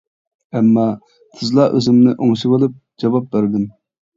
ئەمما، تېزلا ئۆزۈمنى ئوڭشىۋېلىپ جاۋاب بەردىم.